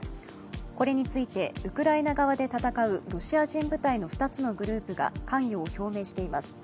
これについてウクライナ側で戦うロシア人部隊の２つのグループが関与を表明しています。